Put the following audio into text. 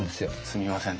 すみません